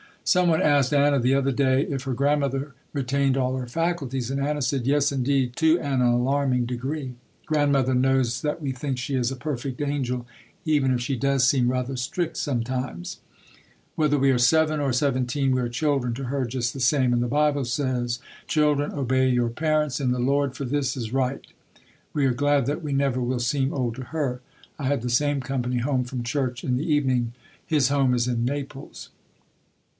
Some one asked Anna the other day if her Grandmother retained all her faculties and Anna said, "Yes, indeed, to an alarming degree." Grandmother knows that we think she is a perfect angel even if she does seem rather strict sometimes. Whether we are 7 or 17 we are children to her just the same, and the Bible says, "Children obey your parents in the Lord for this is right." We are glad that we never will seem old to her. I had the same company home from church in the evening. His home is in Naples.